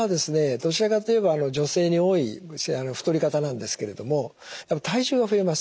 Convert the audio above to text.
どちらかと言えば女性に多い太り方なんですけれども体重が増えます。